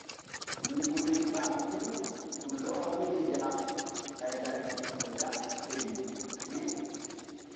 Nzukri ɓa ŋgi̧-u tu lɔkɔ vbiri ya ɓay lari ƴo laɓ feri riw.